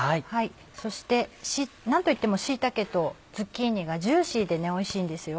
そして何といっても椎茸とズッキーニがジューシーでおいしいんですよ。